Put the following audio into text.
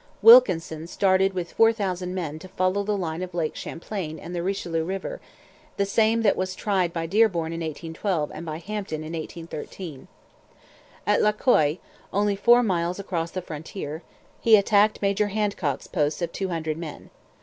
Wilkinson started with four thousand men to follow the line of Lake Champlain and the Richelieu river, the same that was tried by Dearborn in 1812 and by Hampton in 1813. At La Colle, only four miles across the frontier, he attacked Major Handcock's post of two hundred men.